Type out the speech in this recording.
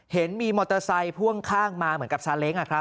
เห็นมีมอเตอร์ไซค์พ่วงข้างมาเหมือนกับซาเล้ง